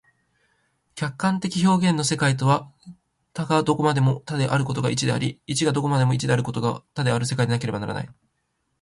客観的表現の世界とは、多がどこまでも多であることが一であり、一がどこまでも一であることが多である世界でなければならない。